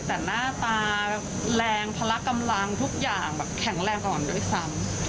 แต่หน้าตาแรงพละกำลังทุกอย่างแบบแข็งแรงก่อนด้วยซ้ำ